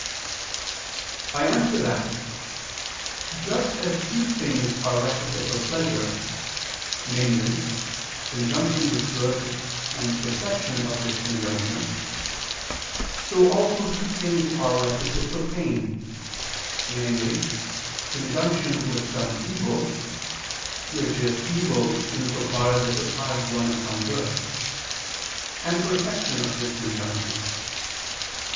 ] I answer that, Just as two things are requisite for pleasure; namely, conjunction with good and perception of this conjunction; so also two things are requisite for pain: namely, conjunction with some evil (which is in so far evil as it deprives one of some good), and perception of this conjunction.